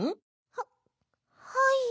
ははい。